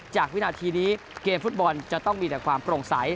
วินาทีนี้เกมฟุตบอลจะต้องมีแต่ความโปร่งใส